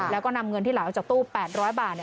แล้วก็นำเงินที่ไหลออกจากตู้๘๐๐บาท